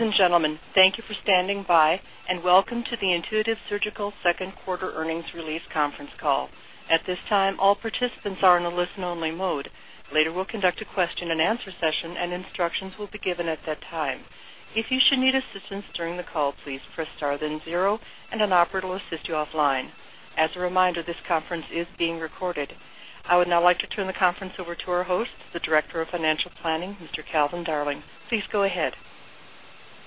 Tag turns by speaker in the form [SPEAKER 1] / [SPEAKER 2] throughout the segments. [SPEAKER 1] Ladies and gentlemen, thank you for standing by and welcome to the Intuitive Surgical second quarter earnings release conference call. At this time, all participants are in a listen-only mode. Later, we'll conduct a question and answer session, and instructions will be given at that time. If you should need assistance during the call, please press star then zero, and an operator will assist you offline. As a reminder, this conference is being recorded. I would now like to turn the conference over to our host, the Director of Financial Planning, Mr. Calvin Darling. Please go ahead.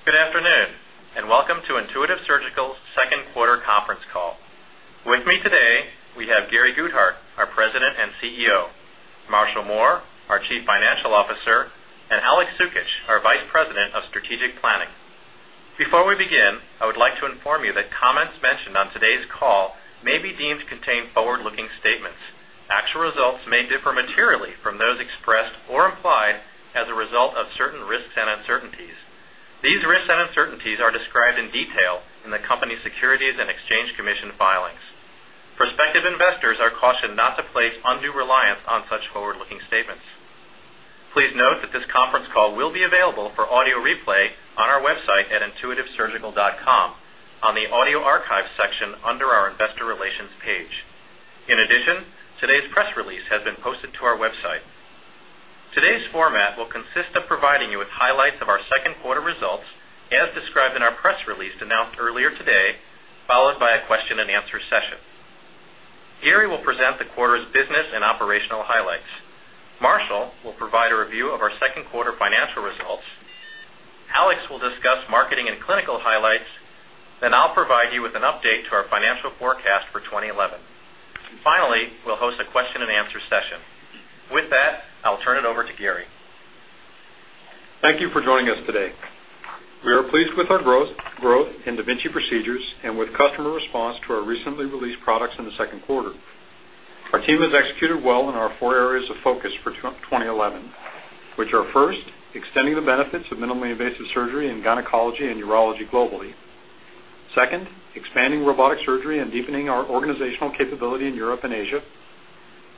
[SPEAKER 2] Good afternoon and welcome to Intuitive Surgical's second quarter conference call. With me today, we have Gary Guthart, our President and CEO, Marshall Mohr, our Chief Financial Officer, and Aleks Cukic, our Vice President of Strategic Planning. Before we begin, I would like to inform you that comments mentioned on today's call may be deemed to contain forward-looking statements. Actual results may differ materially from those expressed or implied as a result of certain risks and uncertainties. These risks and uncertainties are described in detail in the company Securities and Exchange Commission filings. Prospective investors are cautioned not to place undue reliance on such forward-looking statements. Please note that this conference call will be available for audio replay on our website at intuitivesurgical.com on the audio archives section under our investor relations page. In addition, today's press release has been posted to our website. Today's format will consist of providing you with highlights of our second quarter results as described in our press release announced earlier today, followed by a question and answer session. Gary will present the quarter's business and operational highlights. Marshall will provide a review of our second quarter financial results. Aleks will discuss marketing and clinical highlights. I will provide you with an update to our financial forecast for 2011. Finally, we'll host a question and answer session. With that, I'll turn it over to Gary.
[SPEAKER 3] Thank you for joining us today. We are pleased with our growth in Da Vinci procedures and with customer response to our recently released products in the second quarter. Our team has executed well in our four areas of focus for 2011, which are first, extending the benefits of minimally invasive surgery in gynecology and urology globally, second, expanding robotic surgery and deepening our organizational capability in Europe and Asia,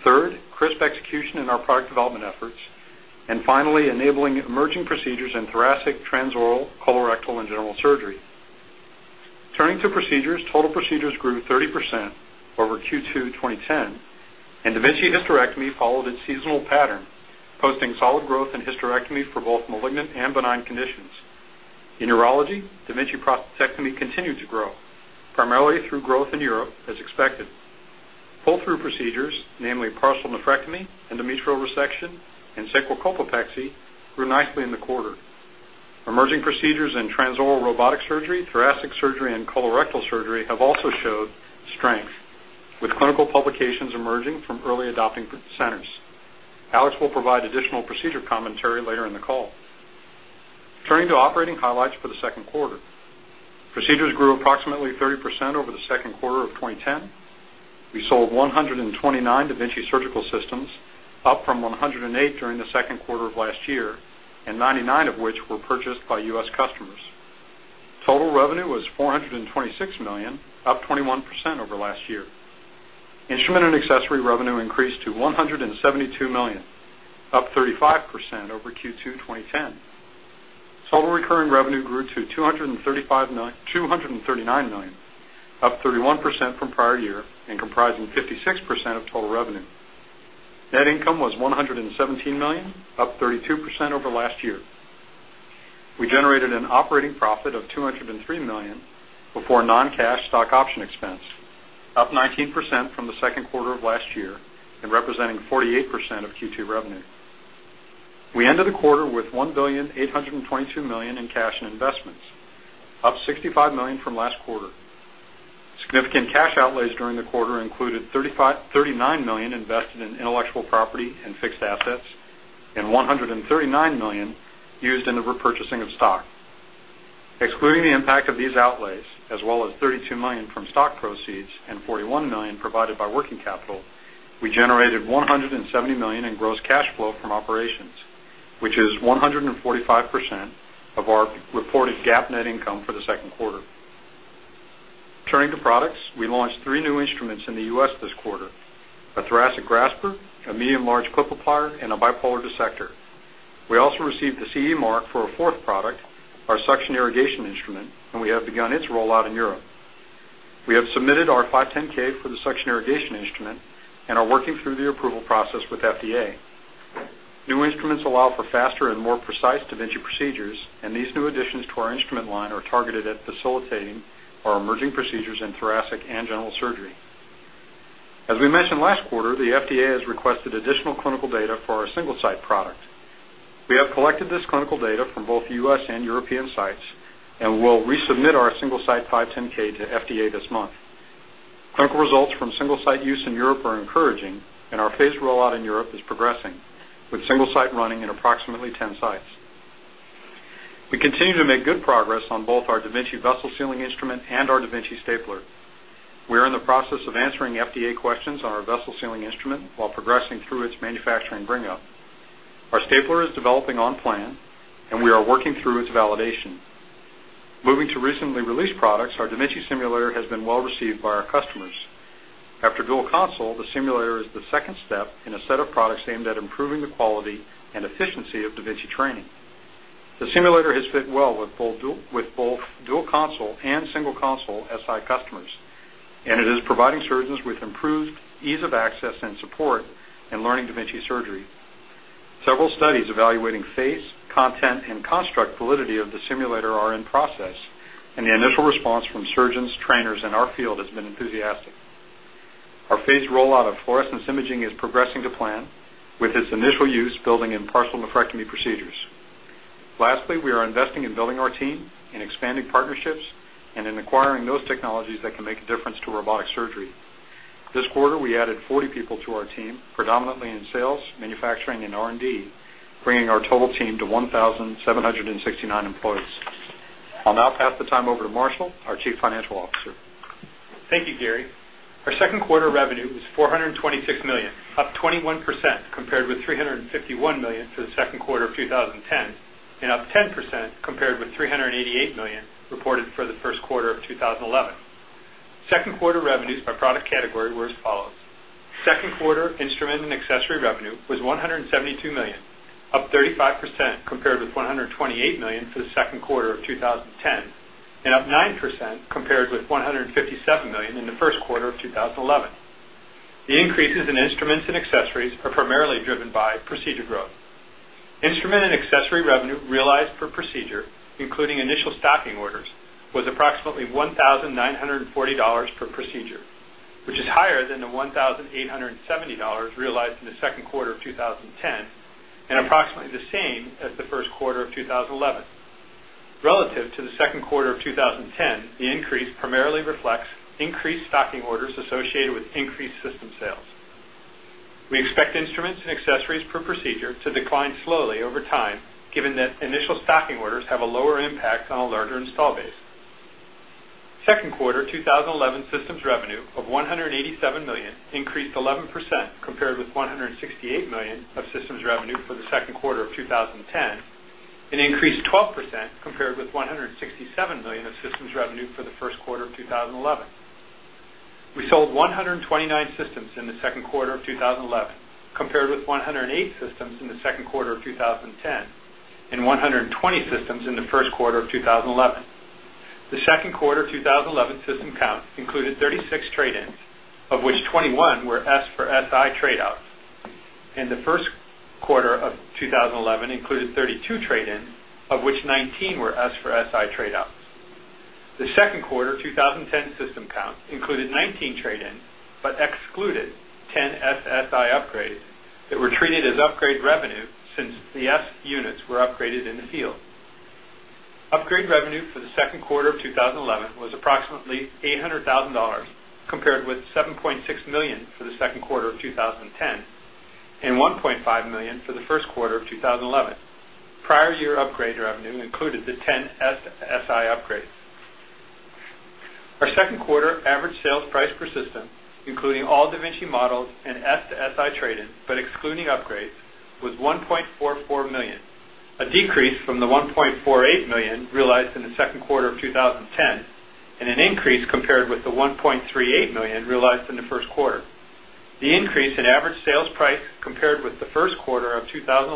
[SPEAKER 3] third, crisp execution in our product development efforts, and finally, enabling emerging procedures in thoracic, transoral, colorectal, and general surgery. Turning to procedures, total procedures grew 30% over Q2 2010, and Da Vinci hysterectomy followed its seasonal pattern, posting solid growth in hysterectomy for both malignant and benign conditions. In Urology, Da Vinci Prostatectomy continued to grow, primarily through growth in Europe as expected. Pull-through procedures, namely partial nephrectomy, endometrial resection, and sacral colpopexy, grew nicely in the quarter. Emerging procedures in Transoral Robotic Surgery, Thoracic Surgery, and Colorectal Surgery have also shown strength, with clinical publications emerging from early adopting centers. Aleks Cukic will provide additional procedure commentary later in the call. Turning to operating highlights for the second quarter, procedures grew approximately 30% over the second quarter of 2010. We sold 129 Da Vinci Surgical Systems, up from 108 during the second quarter of last year, and 99 of which were purchased by U.S. customers. Total revenue was $426 million, up 21% over last year. Instrument and accessory revenue increased to $172 million, up 35% over Q2 2010. Total recurring revenue grew to $239 million, up 31% from prior year and comprising 56% of total revenue. Net income was $117 million, up 32% over last year. We generated an operating profit of $203 million before non-cash stock option expense, up 19% from the second quarter of last year and representing 48% of Q2 revenue. We ended the quarter with $1,822 million in cash and investments, up $65 million from last quarter. Significant cash outlays during the quarter included $39 million invested in intellectual property and fixed assets, and $139 million used in the repurchasing of stock. Excluding the impact of these outlays, as well as $32 million from stock proceeds and $41 million provided by working capital, we generated $170 million in gross cash flow from operations, which is 145% of our reported GAAP net income for the second quarter. Turning to products, we launched three new instruments in the U.S. this quarter. A thoracic grasper, a medium-large clip-applier, and a bipolar dissector. We also received the CE mark for our fourth product, our suction irrigation instrument, and we have begun its rollout in Europe. We have submitted our 510(k) for the suction irrigation instrument and are working through the approval process with FDA. New instruments allow for faster and more precise Da Vinci procedures, and these new additions to our instrument line are targeted at facilitating our emerging procedures in thoracic and general surgery. As we mentioned last quarter, the FDA has requested additional clinical data for our single-site product. We have collected this clinical data from both U.S. and European sites and will resubmit our single-site 510(k) to FDA this month. Clinical results from single-site use in Europe are encouraging, and our phased rollout in Europe is progressing, with single-site running in approximately 10 sites. We continue to make good progress on both our da Vinci vessel sealing instrument and our da Vinci stapler. We are in the process of answering FDA questions on our vessel sealing instrument while progressing through its manufacturing bring-up. Our stapler is developing on plan, and we are working through its validation. Moving to recently released products, our da Vinci simulator has been well received by our customers. After dual console, the simulator is the second step in a set of products aimed at improving the quality and efficiency of da Vinci training. The simulator has fit well with both dual console and single console SI customers, and it is providing surgeons with improved ease of access and support in learning da Vinci surgery. Several studies evaluating face, content, and construct validity of the simulator are in process, and the initial response from surgeons, trainers, and our field has been enthusiastic. Our phased rollout of fluorescence imaging is progressing to plan, with its initial use building in partial nephrectomy procedures. Lastly, we are investing in building our team, in expanding partnerships, and in acquiring those technologies that can make a difference to robotic surgery. This quarter, we added 40 people to our team, predominantly in sales, manufacturing, and R&D, bringing our total team to 1,769 employees. I'll now pass the time over to Marshall, our Chief Financial Officer.
[SPEAKER 4] Thank you, Gary. Our second quarter revenue was $426 million, up 21% compared with $351 million for the second quarter of 2010, and up 10% compared with $388 million reported for the first quarter of 2011. Second quarter revenues by product category were as follows. Second quarter instrument and accessory revenue was $172 million, up 35% compared with $128 million for the second quarter of 2010, and up 9% compared with $157 million in the first quarter of 2011. The increases in instruments and accessories are primarily driven by procedure growth. Instrument and accessory revenue realized per procedure, including initial stocking orders, was approximately $1,940 per procedure, which is higher than the $1,870 realized in the second quarter of 2010 and approximately the same as the first quarter of 2011. Relative to the second quarter of 2010, the increase primarily reflects increased stocking orders associated with increased system sales. We expect instruments and accessories per procedure to decline slowly over time, given that initial stocking orders have a lower impact on a larger install base. Second quarter 2011 systems revenue of $187 million increased 11% compared with $168 million of systems revenue for the second quarter of 2010 and increased 12% compared with $167 million of systems revenue for the first quarter of 2011. We sold 129 systems in the second quarter of 2011, compared with 108 systems in the second quarter of 2010 and 120 systems in the first quarter of 2011. The second quarter 2011 system count included 36 trade-ins, of which 21 were S for SI tradeouts, and the first quarter of 2011 included 32 trade-ins, of which 19 were S for SI tradeouts. The second quarter 2010 system count included 19 trade-ins but excluded 10 FSI upgrades that were treated as upgrade revenue since the S units were upgraded in the field. Upgrade revenue for the second quarter of 2011 was approximately $800,000, compared with $7.6 million for the second quarter of 2010 and $1.5 million for the first quarter of 2011. Prior year upgrade revenue included the 10 S to SI upgrades. Our second quarter average sales price per system, including all da Vinci models and S to SI trade-ins, but excluding upgrades, was $1.44 million, a decrease from the $1.48 million realized in the second quarter of 2010 and an increase compared with the $1.38 million realized in the first quarter. The increase in average sales price compared with the first quarter of 2011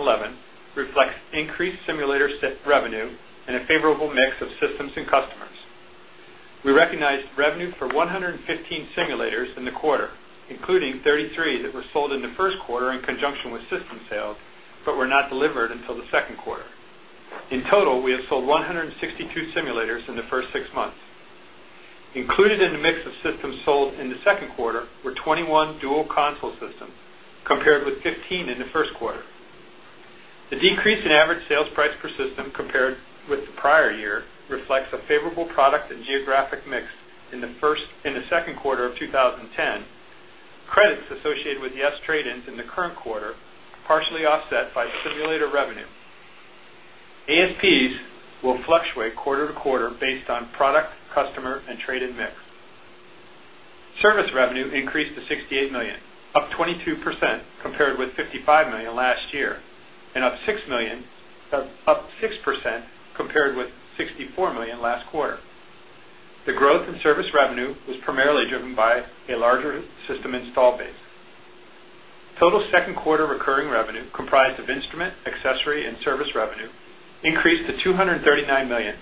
[SPEAKER 4] reflects increased simulator revenue and a favorable mix of systems and customers. We recognized revenue for 115 simulators in the quarter, including 33 that were sold in the first quarter in conjunction with system sales but were not delivered until the second quarter. In total, we have sold 162 simulators in the first six months. Included in the mix of systems sold in the second quarter were 21 dual console systems, compared with 15 in the first quarter. The decrease in average sales price per system compared with the prior year reflects a favorable product and geographic mix in the first and the second quarter of 2010. Credits associated with the S trade-ins in the current quarter are partially offset by simulator revenue. ASPs will fluctuate quarter-to-quarter based on product, customer, and trade-in mix. Service revenue increased to $68 million, up 22% compared with $55 million last year, and up 6% compared with $64 million last quarter. The growth in service revenue was primarily driven by a larger system install base. Total second quarter recurring revenue, comprised of instrument, accessory, and service revenue, increased to $239 million,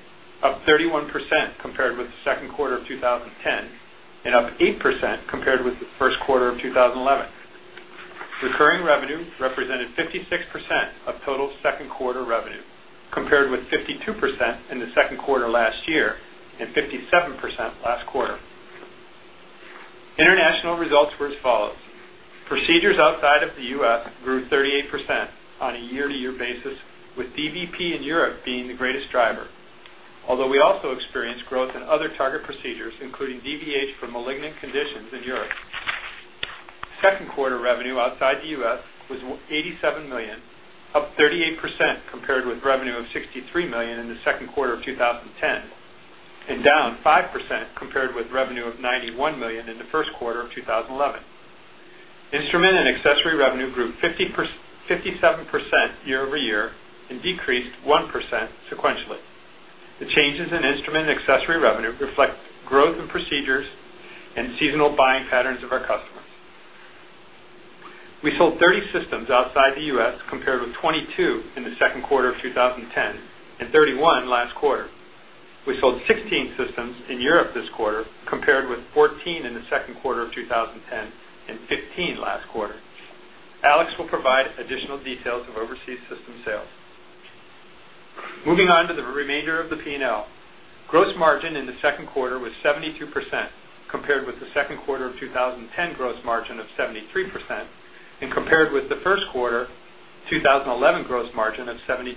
[SPEAKER 4] up 31% compared with the second quarter of 2010 and up 8% compared with the first quarter of 2011. Recurring revenue represented 56% of total second quarter revenue, compared with 52% in the second quarter last year and 57% last quarter. International results were as follows. Procedures outside of the U.S. grew 38% on a year-to-year basis, with DVP in Europe being the greatest driver, although we also experienced growth in other target procedures, including da Vinci hysterectomy for malignant conditions in Europe. Second quarter revenue outside the U.S. was $87 million, up 38% compared with revenue of $63 million in the second quarter of 2010, and down 5% compared with revenue of $91 million in the first quarter of 2011. Instrument and accessory revenue grew 57% year-over-year and decreased 1% sequentially. The changes in instrument and accessory revenue reflect growth in procedures and seasonal buying patterns of our customers. We sold 30 systems outside the U.S., compared with 22 in the second quarter of 2010 and 31 last quarter. We sold 16 systems in Europe this quarter, compared with 14 in the second quarter of 2010 and 15 last quarter. Aleks will provide additional details of overseas system sales. Moving on to the remainder of the P&L, gross margin in the second quarter was 72% compared with the second quarter of 2010 gross margin of 73% and compared with the first quarter 2011 gross margin of 72%.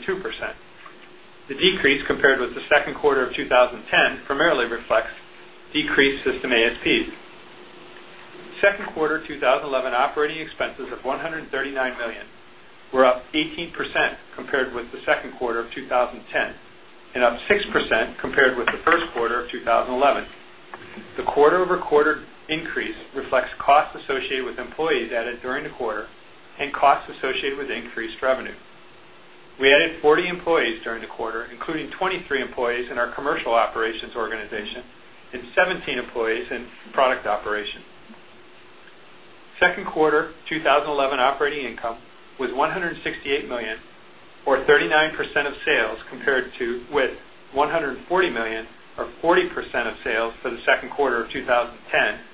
[SPEAKER 4] The decrease compared with the second quarter of 2010 primarily reflects decreased system ASPs. Second quarter 2011 operating expenses of $139 million were up 18% compared with the second quarter of 2010 and up 6% compared with the first quarter of 2011. The quarter-over-quarter increase reflects costs associated with employees added during the quarter and costs associated with increased revenue. We added 40 employees during the quarter, including 23 employees in our commercial operations organization and 17 employees in product operations. Second quarter 2011 operating income was $168 million, or 39% of sales, compared with $140 million, or 40% of sales for the second quarter of 2010,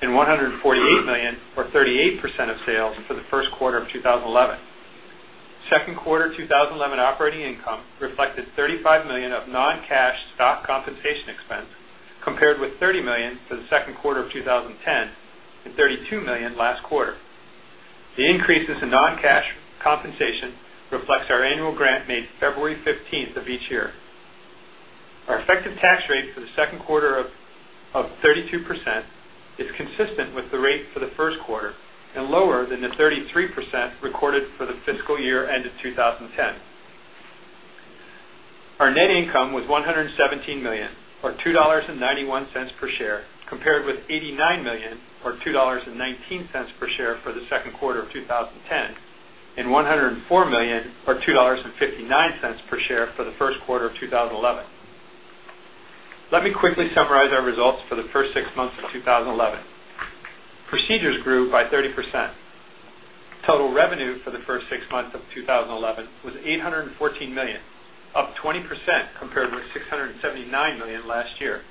[SPEAKER 4] and $148 million, or 38% of sales for the first quarter of 2011. Second quarter 2011 operating income reflected $35 million of non-cash stock compensation expense, compared with $30 million for the second quarter of 2010 and $32 million last quarter. The increases in non-cash compensation reflect our annual grant made February 15th of each year. Our effective tax rate for the second quarter of 32% is consistent with the rate for the first quarter and lower than the 33% recorded for the fiscal year ended 2010. Our net income was $117 million, or $2.91 per share, compared with $89 million, or $2.19 per share for the second quarter of 2010, and $104 million, or $2.59 per share for the first quarter of 2011. Let me quickly summarize our results for the first six months of 2011. Procedures grew by 30%. Total revenue for the first six months of 2011 was $814 million, up 20% compared with $679 million last year.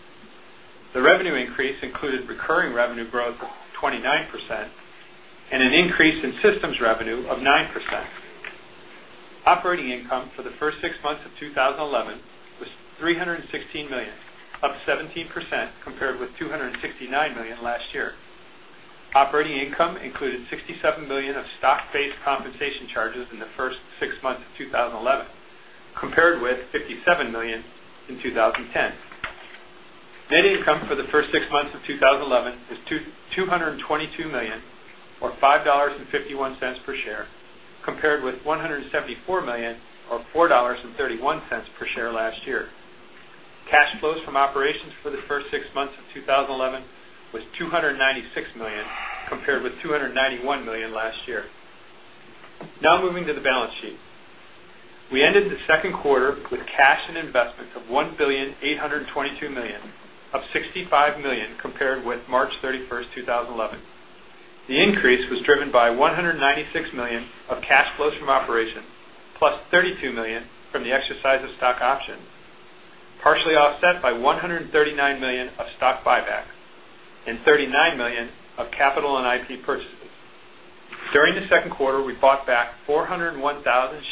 [SPEAKER 4] The revenue increase included recurring revenue growth of 29% and an increase in systems revenue of 9%. Operating income for the first six months of 2011 was $316 million, up 17% compared with $269 million last year. Operating income included $67 million of stock-based compensation charges in the first six months of 2011, compared with $57 million in 2010. Net income for the first six months of 2011 is $222 million, or $5.51 per share, compared with $174 million, or $4.31 per share last year. Cash flows from operations for the first six months of 2011 was $296 million, compared with $291 million last year. Now moving to the balance sheet, we ended the second quarter with cash and investments of $1,822 million, up $65 million compared with March 31st, 2011. The increase was driven by $196 million of cash flows from operations, plus $32 million from the exercise of stock options, partially offset by $139 million of stock buyback and $39 million of capital and IP purchases. During the second quarter, we bought back 401,000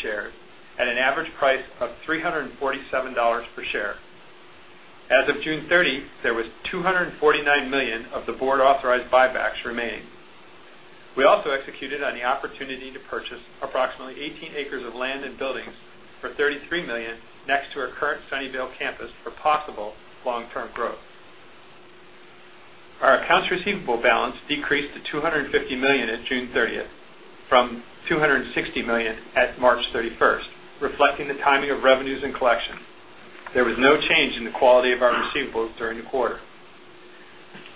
[SPEAKER 4] shares at an average price of $347 per share. As of June 30th, there was $249 million of the board-authorized buybacks remaining. We also executed on the opportunity to purchase approximately 18 acres of land and buildings for $33 million, next to our current Sunnyvale campus for possible long-term growth. Our accounts receivable balance decreased to $250 million at June 30th from $260 million at March 31st, reflecting the timing of revenues and collections. There was no change in the quality of our receivables during the quarter.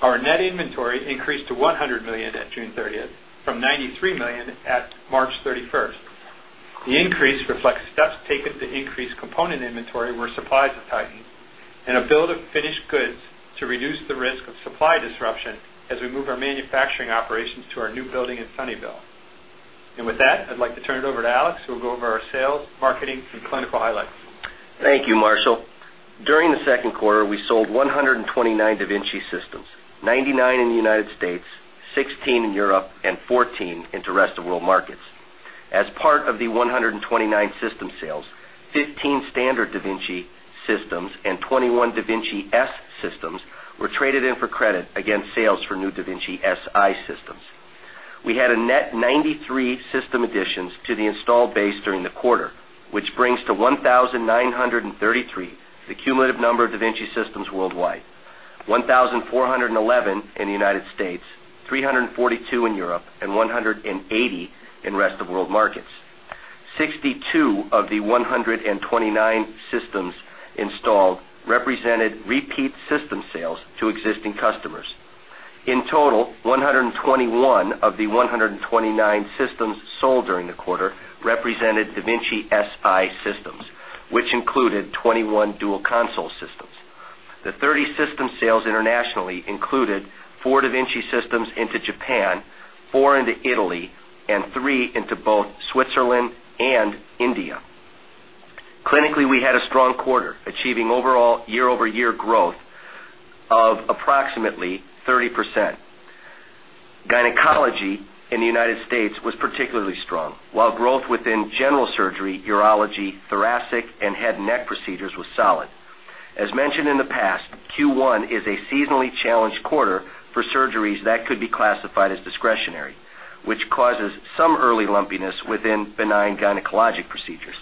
[SPEAKER 4] Our net inventory increased to $100 million at June 30th from $93 million at March 31st. The increase reflects steps taken to increase component inventory where supplies are tightening and a build of finished goods to reduce the risk of supply disruption as we move our manufacturing operations to our new building in Sunnyvale. I'd like to turn it over to Aleks, who will go over our sales, marketing, and clinical highlights.
[SPEAKER 5] Thank you, Marshall. During the second quarter, we sold 129 da Vinci Systems, 99 in the United States, 16 in Europe, and 14 into rest of the world markets. As part of the 129 system sales, 15 standard da Vinci Systems and 21 da Vinci S systems were traded in for credit against sales for new da Vinci SI systems. We had a net 93 system additions to the install base during the quarter, which brings to 1,933 the cumulative number of da Vinci systems worldwide, 1,411 in the United States, 342 in Europe, and 180 in rest of the world markets. 62 of the 129 systems installed represented repeat system sales to existing customers. In total, 121 of the 129 systems sold during the quarter represented da Vinci SI systems, which included 21 dual console systems. The 30 system sales internationally included four da Vinci systems into Japan, four into Italy, and three into both Switzerland and India. Clinically, we had a strong quarter, achieving overall year-over-year growth of approximately 30%. Gynecology in the United States was particularly strong, while growth within general surgery, urology, thoracic, and head and neck procedures was solid. As mentioned in the past, Q1 is a seasonally challenged quarter for surgeries that could be classified as discretionary, which causes some early lumpiness within benign gynecologic procedures.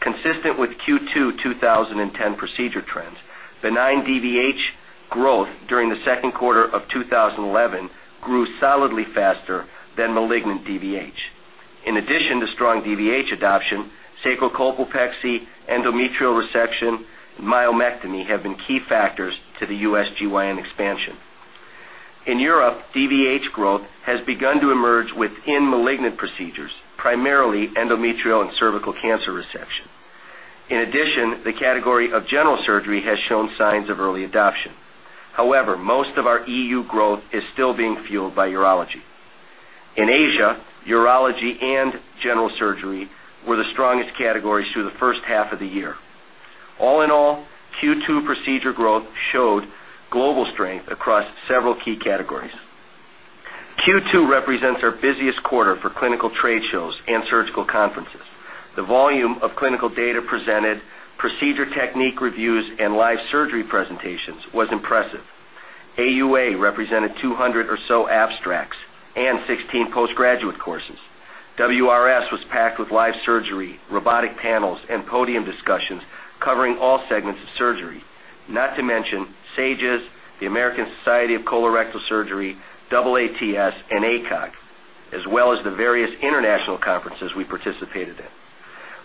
[SPEAKER 5] Consistent with Q2 2010 procedure trends, benign DVH growth during the second quarter of 2011 grew solidly faster than malignant DVH. In addition to strong DVH adoption, sacral colpopexy, endometrial resection, and myomectomy have been key factors to the U.S. GYN expansion. In Europe, DVH growth has begun to emerge within malignant procedures, primarily endometrial and cervical cancer resection. In addition, the category of general surgery has shown signs of early adoption. However, most of our EU growth is still being fueled by urology. In Asia, urology and general surgery were the strongest categories through the first half of the year. All in all, Q2 procedure growth showed global strength across several key categories. Q2 represents our busiest quarter for clinical trade shows and surgical conferences. The volume of clinical data presented, procedure technique reviews, and live surgery presentations was impressive. AUA represented 200 or so abstracts and 16 postgraduate courses. WRS was packed with live surgery, robotic panels, and podium discussions covering all segments of surgery, not to mention SAGES, the American Society of Colorectal Surgery, double ATS, and ACOG, as well as the various international conferences we participated in.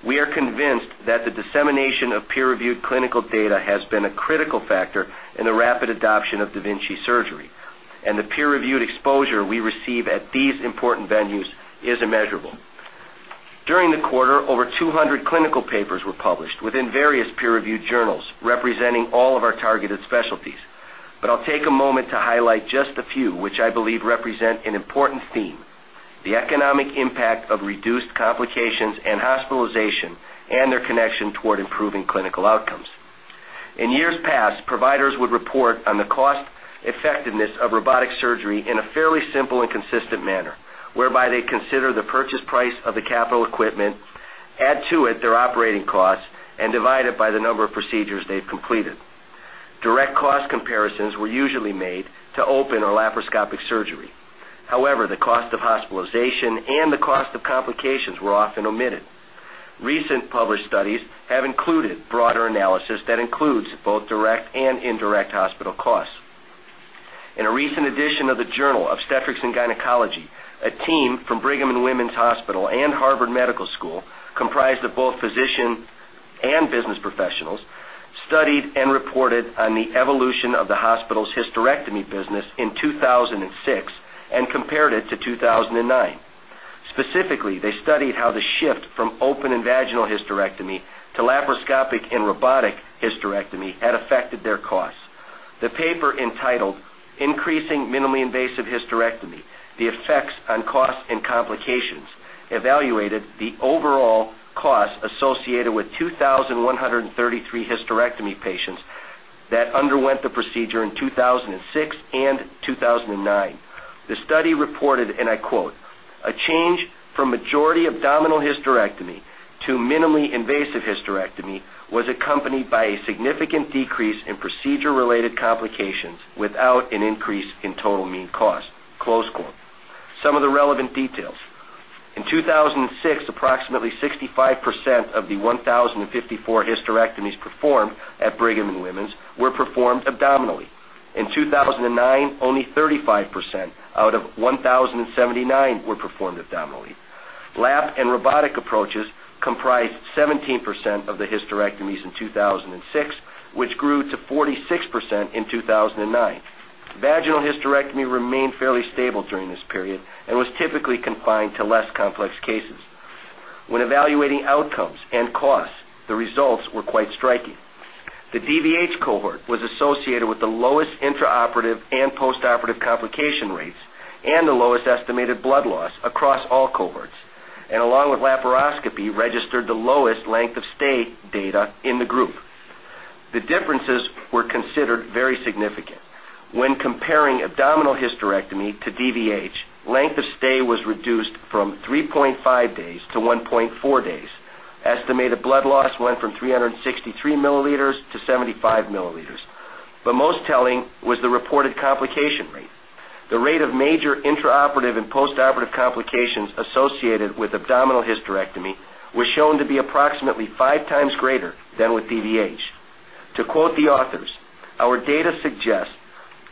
[SPEAKER 5] We are convinced that the dissemination of peer-reviewed clinical data has been a critical factor in the rapid adoption of da Vinci surgery, and the peer-reviewed exposure we receive at these important venues is immeasurable. During the quarter, over 200 clinical papers were published within various peer-reviewed journals, representing all of our targeted specialties. I'll take a moment to highlight just a few, which I believe represent an important theme. The economic impact of reduced complications and hospitalization and their connection toward improving clinical outcomes. In years past, providers would report on the cost-effectiveness of robotic surgery in a fairly simple and consistent manner, whereby they consider the purchase price of the capital equipment, add to it their operating costs, and divide it by the number of procedures they've completed. Direct cost comparisons were usually made to open or laparoscopic surgery. However, the cost of hospitalization and the cost of complications were often omitted. Recent published studies have included broader analysis that includes both direct and indirect hospital costs. In a recent edition of the Journal of Obstetrics and Gynecology, a team from Brigham and Women's Hospital and Harvard Medical School, comprised of both physician and business professionals, studied and reported on the evolution of the hospital's hysterectomy business in 2006 and compared it to 2009. Specifically, they studied how the shift from open and vaginal hysterectomy to laparoscopic and robotic hysterectomy had affected their costs. The paper entitled "Increasing Minimally Invasive Hysterectomy: The Effects on Costs and Complications" evaluated the overall costs associated with 2,133 hysterectomy patients that underwent the procedure in 2006 and 2009. The study reported, and I quote, "A change from majority abdominal hysterectomy to minimally invasive hysterectomy was accompanied by a significant decrease in procedure-related complications without an increase in total mean cost." Close quote. Some of the relevant details: in 2006, approximately 65% of the 1,054 hysterectomies performed at Brigham and Women's were performed abdominally. In 2009, only 35% out of 1,079 were performed abdominally. Laparoscopic and robotic approaches comprised 17% of the hysterectomies in 2006, which grew to 46% in 2009. Vaginal hysterectomy remained fairly stable during this period and was typically confined to less complex cases. When evaluating outcomes and costs, the results were quite striking. The DVH cohort was associated with the lowest intraoperative and postoperative complication rates and the lowest estimated blood loss across all cohorts, and along with laparoscopy, registered the lowest length of stay data in the group. The differences were considered very significant. When comparing abdominal hysterectomy to DVH, length of stay was reduced from 3.5 days-1.4 days. Estimated blood loss went from 363 mm-75 mm. Most telling was the reported complication rate. The rate of major intraoperative and postoperative complications associated with abdominal hysterectomy was shown to be approximately 5x greater than with DVH. To quote the authors, "Our data suggests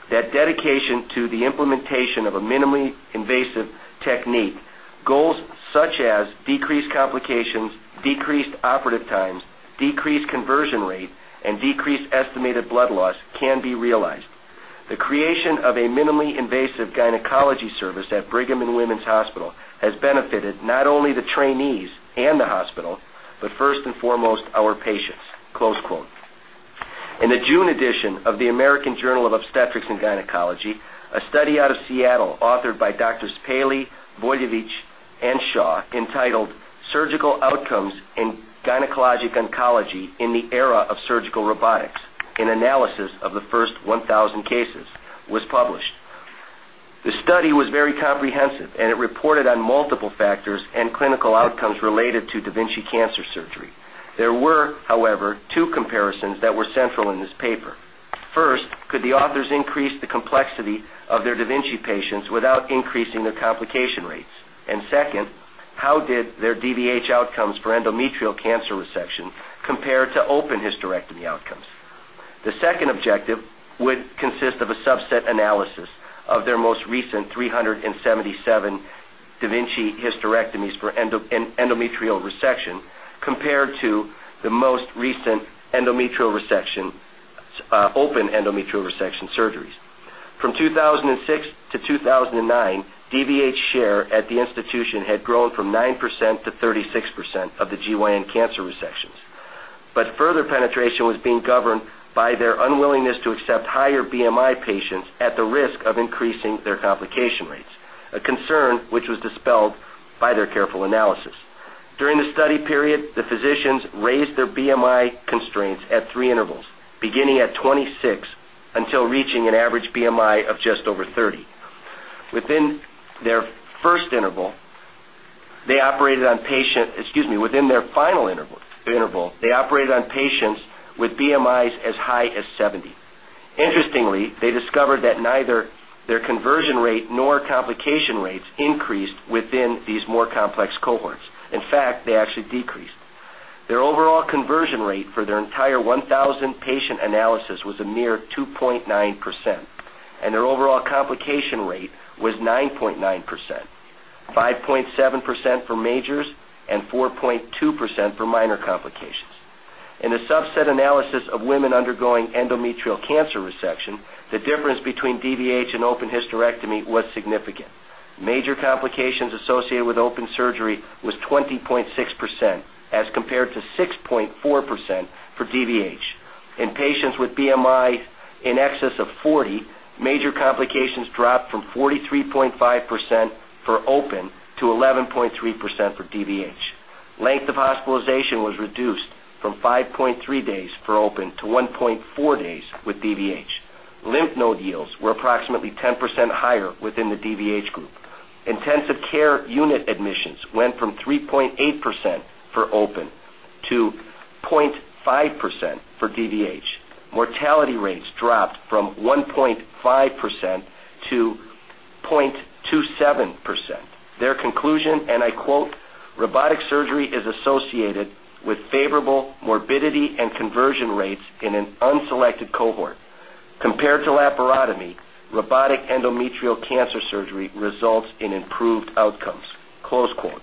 [SPEAKER 5] that dedication to the implementation of a minimally invasive technique, goals such as decreased complications, decreased operative times, decreased conversion rate, and decreased estimated blood loss can be realized. The creation of a minimally invasive gynecology service at Brigham and Women's Hospital has benefited not only the trainees and the hospital, but first and foremost our patients." Close quote. In the June edition of the American Journal of Obstetrics and Gynecology, a study out of Seattle authored by Dr. Spaley, Voyevich, and Shaw entitled "Surgical Outcomes in Gynecologic Oncology in the Era of Surgical Robotics: An Analysis of the First 1,000 Cases" was published. The study was very comprehensive, and it reported on multiple factors and clinical outcomes related to da Vinci cancer surgery. There were, however, two comparisons that were central in this paper. First, could the authors increase the complexity of their da Vinci patients without increasing their complication rates? Second, how did their DVH outcomes for endometrial cancer resection compare to open hysterectomy outcomes? The second objective would consist of a subset analysis of their most recent 377 da Vinci hysterectomies for endometrial resection compared to the most recent open endometrial resection surgeries. From 2006-2009, DVH share at the institution had grown from 9%-36% of the GYN cancer resections. Further penetration was being governed by their unwillingness to accept higher BMI patients at the risk of increasing their complication rates, a concern which was dispelled by their careful analysis. During the study period, the physicians raised their BMI constraints at three intervals, beginning at 26 until reaching an average BMI of just over 30. Within their final interval, they operated on patients with BMIs as high as 70. Interestingly, they discovered that neither their conversion rate nor complication rates increased within these more complex cohorts. In fact, they actually decreased. Their overall conversion rate for their entire 1,000-patient analysis was a mere 2.9%, and their overall complication rate was 9.9%, 5.7% for majors, and 4.2% for minor complications. In a subset analysis of women undergoing endometrial cancer resection, the difference between DVH and open hysterectomy was significant. Major complications associated with open surgery were 20.6% as compared to 6.4% for DVH. In patients with BMIs in excess of 40, major complications dropped from 43.5% for open to 11.3% for DVH. Length of hospitalization was reduced from 5.3 days for open to 1.4 days with DVH. Lymph node yields were approximately 10% higher within the DVH group. Intensive care unit admissions went from 3.8% for open to 0.5% for DVH. Mortality rates dropped from 1.5%-0.27%. Their conclusion, and I quote, "Robotic surgery is associated with favorable morbidity and conversion rates in an unselected cohort. Compared to laparotomy, robotic endometrial cancer surgery results in improved outcomes." Close quote.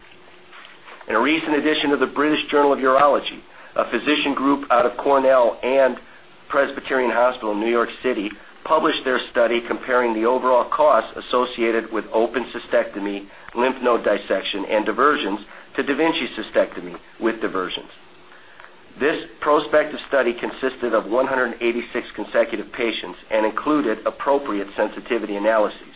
[SPEAKER 5] In a recent edition of the British Journal of Urology, a physician group out of Cornell and Presbyterian Hospital in New York City published their study comparing the overall costs associated with open cystectomy, lymph node dissection, and diversions to da Vinci cystectomy with diversions. This prospective study consisted of 186 consecutive patients and included appropriate sensitivity analyses.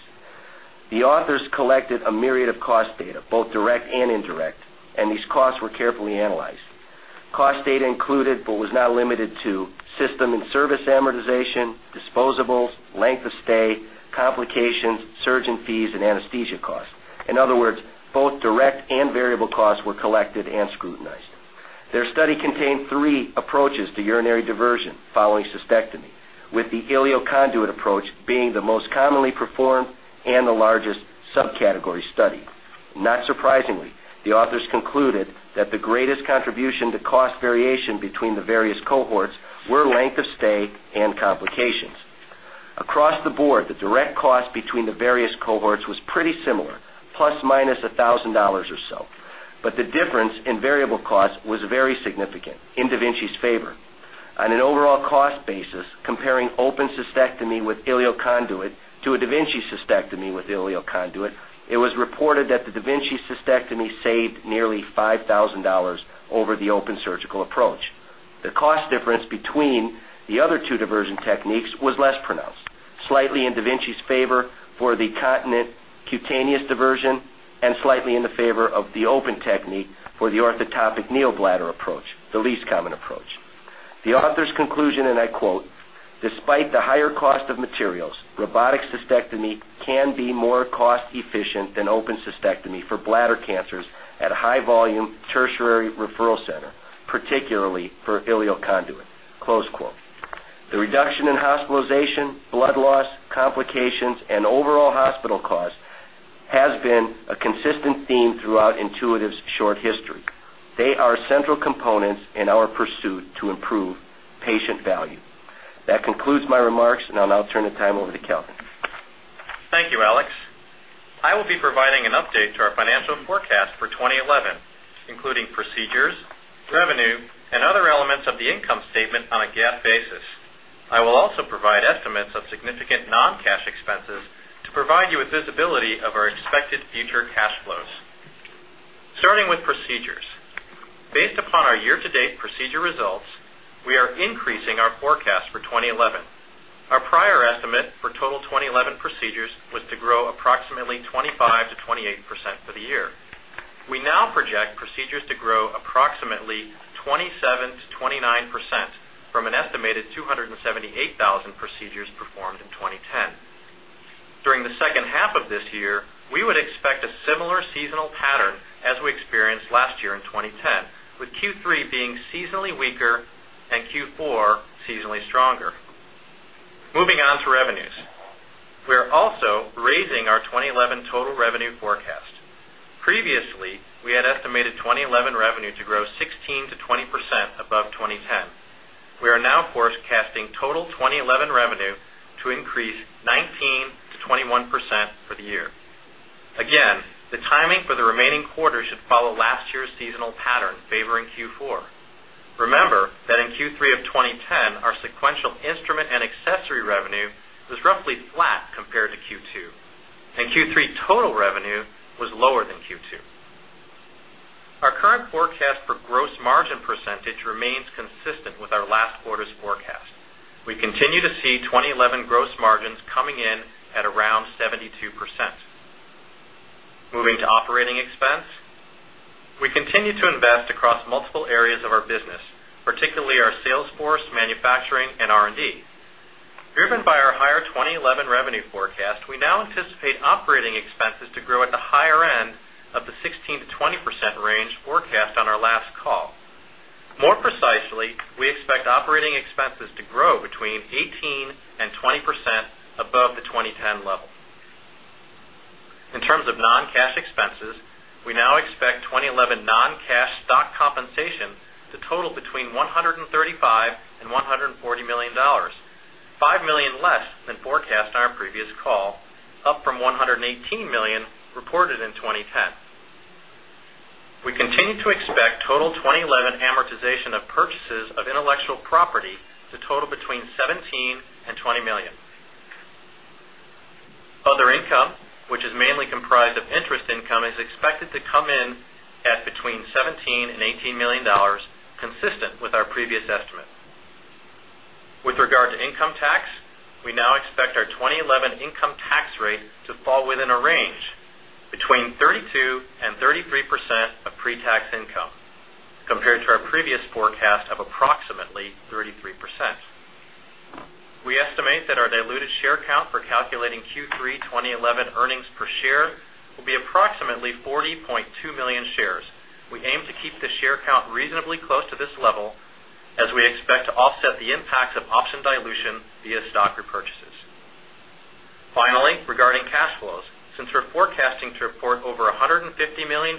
[SPEAKER 5] The authors collected a myriad of cost data, both direct and indirect, and these costs were carefully analyzed. Cost data included, but was not limited to, system and service amortization, disposables, length of stay, complications, surgeon fees, and anesthesia costs. In other words, both direct and variable costs were collected and scrutinized. Their study contained three approaches to urinary diversion following cystectomy, with the ileal conduit approach being the most commonly performed and the largest subcategory studied. Not surprisingly, the authors concluded that the greatest contribution to cost variation between the various cohorts were length of stay and complications. Across the board, the direct cost between the various cohorts was pretty similar, ±$1,000 or so. The difference in variable costs was very significant in da Vinci's favor. On an overall cost basis, comparing open cystectomy with ileal conduit to a da Vinci cystectomy with ileal conduit, it was reported that the da Vinci cystectomy saved nearly $5,000 over the open surgical approach. The cost difference between the other two diversion techniques was less pronounced, slightly in da Vinci's favor for the continent cutaneous diversion and slightly in the favor of the open technique for the orthotopic neobladder approach, the least common approach. The authors' conclusion, and I quote, "Despite the higher cost of materials, robotic cystectomy can be more cost-efficient than open cystectomy for bladder cancers at a high-volume tertiary referral center, particularly for ileal conduit." Close quote. The reduction in hospitalization, blood loss, complications, and overall hospital costs has been a consistent theme throughout Intuitive Surgical's short history. They are central components in our pursuit to improve patient value. That concludes my remarks, and I'll now turn the time over to Calvin.
[SPEAKER 2] Thank you, Aleks. I will be providing an update to our financial forecast for 2011, including procedures, revenue, and other elements of the income statement on a GAAP basis. I will also provide estimates of significant non-cash expenses to provide you with visibility of our expected future cash flows. Starting with procedures, based upon our year-to-date procedure results, we are increasing our forecast for 2011. Our prior estimate for total 2011 procedures was to grow approximately 25%-28% for the year. We now project procedures to grow approximately 27%-29% from an estimated 278,000 procedures performed in 2010. During the second half of this year, we would expect a similar seasonal pattern as we experienced last year in 2010, with Q3 being seasonally weaker and Q4 seasonally stronger. Moving on to revenues, we're also raising our 2011 total revenue forecast. Previously, we had estimated 2011 revenue to grow 16%-20% above 2010. We are now forecasting total 2011 revenue to increase 19%-21% for the year. Again, the timing for the remaining quarter should follow last year's seasonal pattern favoring Q4. Remember that in Q3 of 2010, our sequential instrument and accessory revenue was roughly flat compared to Q2, and Q3 total revenue was lower than Q2. Our current forecast for gross margin percentage remains consistent with our last quarter's forecast. We continue to see 2011 gross margins coming in at around 72%. Moving to operating expense, we continue to invest across multiple areas of our business, particularly our sales force, manufacturing, and R&D. Driven by our higher 2011 revenue forecast, we now anticipate operating expenses to grow at the higher end of the 16%-20% range forecast on our last call. More precisely, we expect operating expenses to grow between 18% and 20% above the 2010 level. In terms of non-cash expenses, we now expect 2011 non-cash stock compensation to total between $135 million and $140 million, $5 million less than forecast on our previous call, up from $118 million reported in 2010. We continue to expect total 2011 amortization of purchases of intellectual property to total between $17 million and $20 million. Other income, which is mainly comprised of interest income, is expected to come in at between $17 million and $18 million, consistent with our previous estimate. With regard to income tax, we now expect our 2011 income tax rate to fall within a range between 32% and 33% of pre-tax income, compared to our previous forecast of approximately 33%. We estimate that our diluted share count for calculating Q3 2011 earnings per share will be approximately 40.2 million shares. We aim to keep the share count reasonably close to this level, as we expect to offset the impacts of option dilution via stock repurchases. Finally, regarding cash flows, since we're forecasting to report over $150 million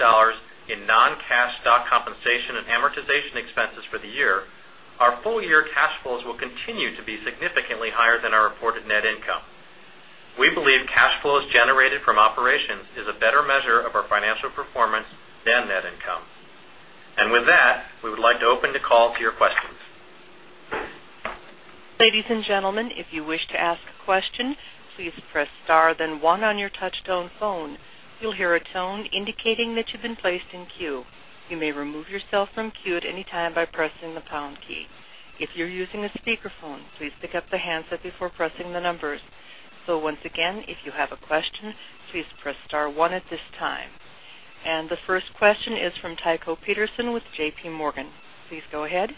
[SPEAKER 2] in non-cash stock compensation and amortization expenses for the year, our full-year cash flows will continue to be significantly higher than our reported net income. We believe cash flows generated from operations is a better measure of our financial performance than net income. With that, we would like to open the call to your questions.
[SPEAKER 1] Ladies and gentlemen, if you wish to ask a question, please press star then one on your touch-tone phone. You'll hear a tone indicating that you've been placed in queue. You may remove yourself from queue at any time by pressing the pound key. If you're using a speakerphone, please pick up the handset before pressing the numbers. Once again, if you have a question, please press star one at this time. The first question is from Tycho Peterson with JPMorgan. Please go ahead.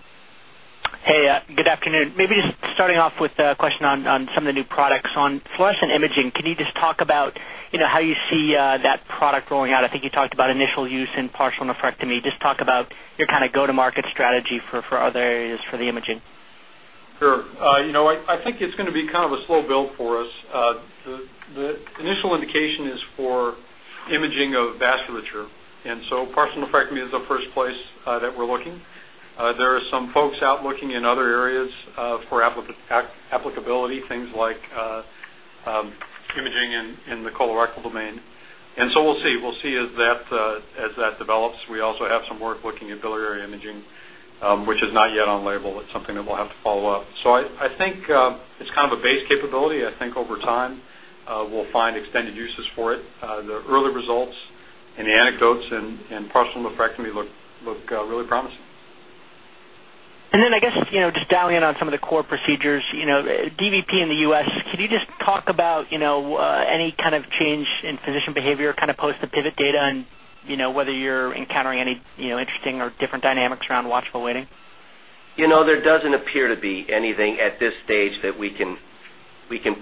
[SPEAKER 6] Hey, good afternoon. Maybe just starting off with a question on some of the new products. Onfluorescence imaging, can you just talk about how you see that product rolling out? I think you talked about initial use in partial nephrectomy. Just talk about your kind of go-to-market strategy for other areas for the imaging.
[SPEAKER 3] Sure. I think it's going to be kind of a slow build for us. The initial indication is for imaging of vasculature, and partial nephrectomy is the first place that we're looking. There are some folks out looking in other areas for applicability, things like imaging in the colorectal domain. We'll see as that develops. We also have some work looking at biliary imaging, which is not yet on label. It's something that we'll have to follow-up. I think it's kind of a base capability. I think over time we'll find extended uses for it. The early results and the anecdotes in partial nephrectomy look really promising.
[SPEAKER 6] I guess just dialing in on some of the core procedures, DVP in the U.S., could you just talk about any kind of change in physician behavior post the pivot data and whether you're encountering any interesting or different dynamics around watchful waiting?
[SPEAKER 5] You know, there doesn't appear to be anything at this stage that we can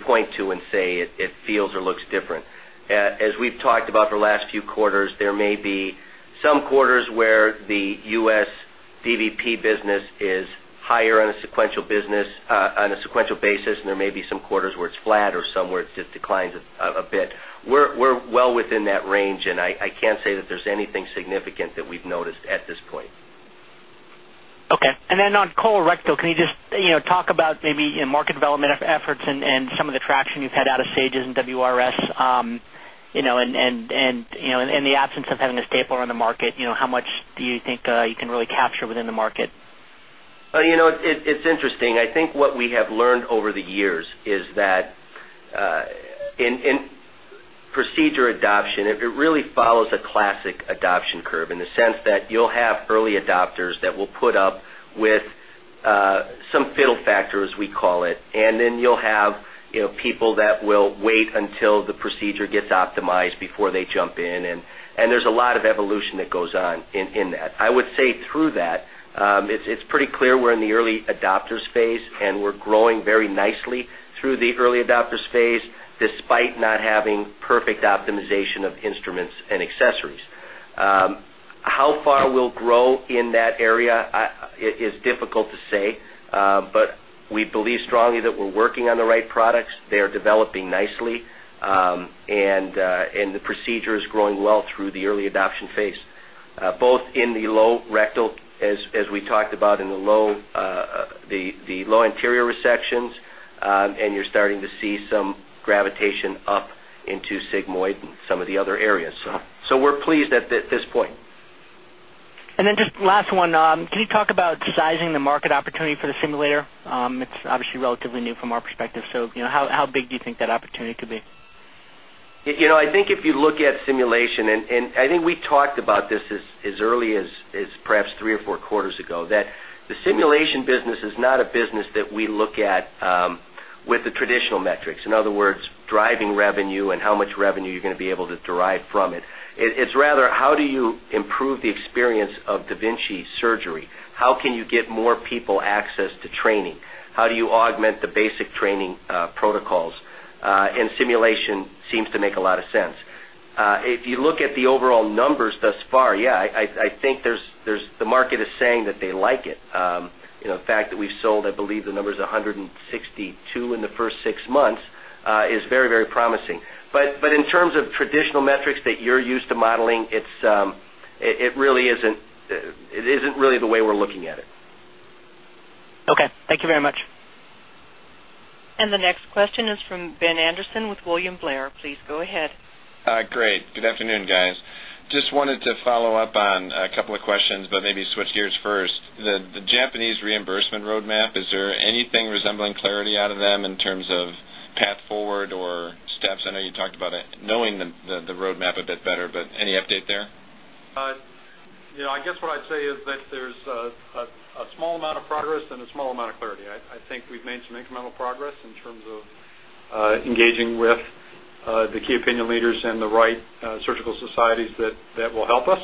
[SPEAKER 5] point to and say it feels or looks different. As we've talked about for the last few quarters, there may be some quarters where the U.S. DVP business is higher on a sequential basis, and there may be some quarters where it's flat or some where it just declines a bit. We're well within that range, and I can't say that there's anything significant that we've noticed at this point.
[SPEAKER 6] Okay. On colorectal, can you just talk about maybe market development efforts and some of the traction you've had out of SAGES and WRS? In the absence of having a stapler on the market, how much do you think you can really capture within the market?
[SPEAKER 5] You know, it's interesting. I think what we have learned over the years is that in procedure adoption, it really follows a classic adoption curve in the sense that you'll have early adopters that will put up with some fiddle factor, as we call it, and then you'll have people that will wait until the procedure gets optimized before they jump in. There's a lot of evolution that goes on in that. I would say through that, it's pretty clear we're in the early adopters phase, and we're growing very nicely through the early adopters phase, despite not having perfect optimization of instruments and accessories. How far we'll grow in that area is difficult to say, but we believe strongly that we're working on the right products. They are developing nicely, and the procedure is growing well through the early adoption phase, both in the low rectal, as we talked about, and the low anterior resections. You're starting to see some gravitation up into sigmoid and some of the other areas. We're pleased at this point.
[SPEAKER 6] Can you talk about sizing the market opportunity for the da Vinci simulator? It's obviously relatively new from our perspective. How big do you think that opportunity could be?
[SPEAKER 5] I think if you look at simulation, and I think we talked about this as early as perhaps three or four quarters ago, the simulation business is not a business that we look at with the traditional metrics. In other words, driving revenue and how much revenue you're going to be able to derive from it. It's rather, how do you improve the experience of da Vinci surgery? How can you get more people access to training? How do you augment the basic training protocols? Simulation seems to make a lot of sense. If you look at the overall numbers thus far, I think the market is saying that they like it. The fact that we've sold, I believe the number is 162 in the first six months, is very, very promising. In terms of traditional metrics that you're used to modeling, it isn't really the way we're looking at it.
[SPEAKER 6] Okay, thank you very much.
[SPEAKER 1] The next question is from Ben Anderson with William Blair. Please go ahead. Great. Good afternoon, guys. Just wanted to follow up on a couple of questions, maybe switch gears first. The Japanese reimbursement roadmap, is there anything resembling clarity out of them in terms of path forward or steps? I know you talked about knowing the roadmap a bit better, any update there?
[SPEAKER 3] I guess what I'd say is that there's a small amount of progress and a small amount of clarity. I think we've made some incremental progress in terms of engaging with the key opinion leaders and the right surgical societies that will help us.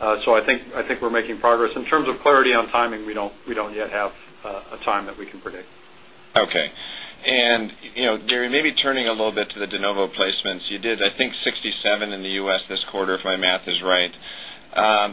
[SPEAKER 3] I think we're making progress. In terms of clarity on timing, we don't yet have a time that we can predict. Okay. Maybe turning a little bit to the de novo placements, you did, I think, 67 in the U.S. this quarter, if my math is right.